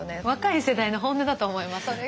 若い世代の本音だと思います。